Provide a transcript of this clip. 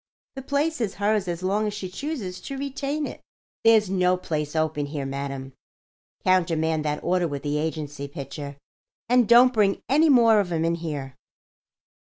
The place is hers as long as she chooses to retain it. There's no place open here, madam. Countermand that order with the agency, Pitcher, and don't bring any more of 'em in here."